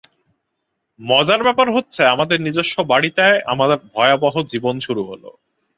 মজার ব্যাপার হচ্ছে, আমাদের নিজস্ব বাড়িতে আমার ভয়াবহ জীবন শুরু হল।